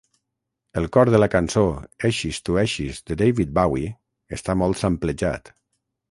El cor de la cançó "Ashes to Ashes" de David Bowie està molt samplejat.